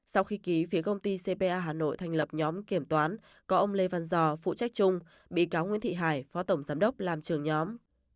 sau khi ký phía công ty cpa hà nội thành lập nhóm kiểm toán có ông lê văn giò phụ trách chung bị cáo nguyễn thị hải phó tổng giám đốc làm trưởng nhóm